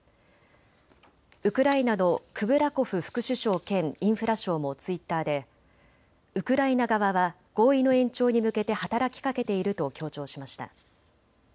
ウクライナのクブラコフ副首相兼インフラ相もツイッターでウクライナ側は合意の延長に向けて働きかけていると強調しました。